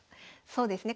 そうですね